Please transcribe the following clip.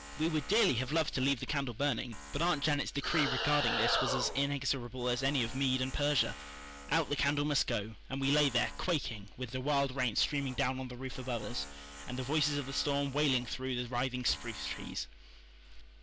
We would dearly have loved to leave the candle burning, but Aunt Janet's decree regarding this was as inexorable as any of Mede and Persia. Out the candle must go; and we lay there, quaking, with the wild rain streaming down on the roof above us, and the voices of the storm wailing through the writhing spruce trees.